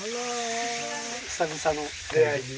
久々の出会いに。